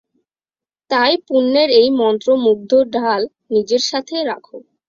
তাই পুণ্যের এই মন্ত্রমুগ্দ্ধ ঢাল নিজের সাথে রাখো।